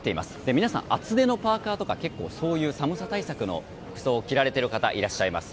皆さん、厚手のパーカとか結構、そういう寒さ対策の服装を着られている方がいらっしゃいます。